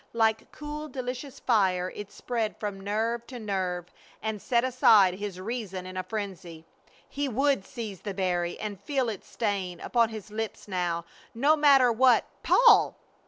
Like cool delicious fire it spread from nerve to nerve and set aside his reason in a frenzy. He would seize the berry and feel its stain upon his lips now no matter what! "Paul!"